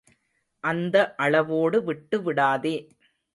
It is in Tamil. அந்த அளவோடு விட்டுவிடாதே.